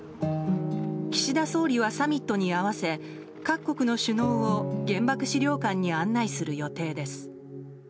岸田総理はサミットに合わせ各国の首脳を原爆資料館に案内する予定です。